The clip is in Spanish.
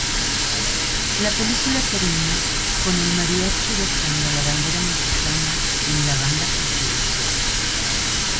La película termina con el Mariachi besando la bandera mexicana en la banda presidencial.